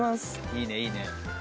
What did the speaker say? いいねいいね